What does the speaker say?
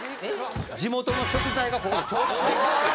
地元の食材がここで調達できると。